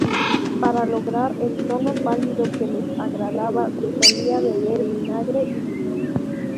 Para lograr el tono pálido que les agradaba se solía beber vinagre y limón.